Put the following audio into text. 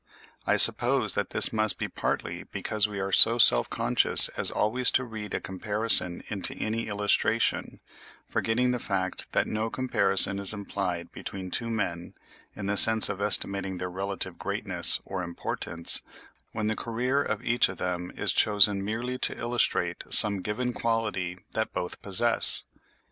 I suppose that this must be partly because we are so self conscious as always to read a comparison into any illustration, forgetting the fact that no comparison is implied between two men, in the sense of estimating their relative greatness or importance, when the career of each of them is chosen merely to illustrate some given quality that both possess.